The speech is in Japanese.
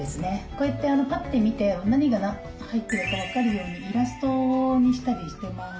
こうやってパッて見て何が入ってるか分かるようにイラストにしたりしてます。